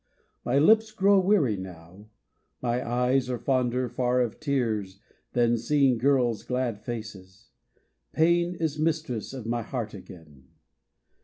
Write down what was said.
My lips grow weary now ; My eyes are fonder far of tears Than seeing girls' glad faces ; pain Is mistress of my heart again.